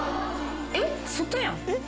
えっ外やん。